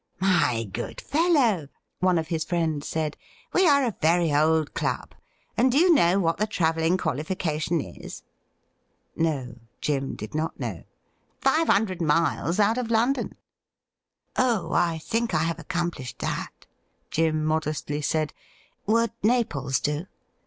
' My good fellow,' one of his friends said, ' we are a very old club ; and do you know what the travelling qualifica tion is ?'' No, Jim did not know. ' Five hundred miles out of London !'' Ob, I think I have accomplished that,' Jim modestly said. ' Would Naples do